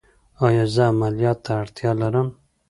ایا زه عملیات ته اړتیا لرم؟